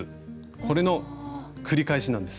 これの繰り返しなんです。